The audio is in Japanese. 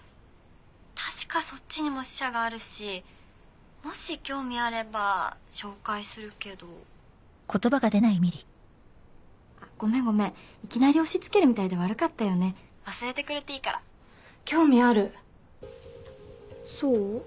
確かそっちにも支社があるしもし興味あれば紹介するけどごめんごめんいきなり押しつけるみたいで悪かったよね忘れてくれていいから興味あるそう？